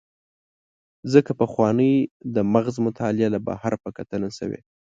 ځکه پخوانۍ د مغز مطالعه له بهر په کتنه شوې.